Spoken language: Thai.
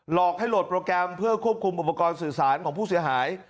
อกให้โหลดโปรแกรมเพื่อควบคุมอุปกรณ์สื่อสารของผู้เสียหาย